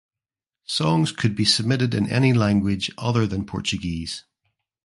Songs could be submitted in any language other than Portuguese.